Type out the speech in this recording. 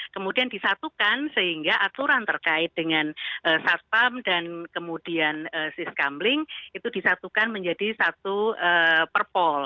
kemudian disatukan sehingga aturan terkait dengan satpam dan kemudian siskambling itu disatukan menjadi satu perpol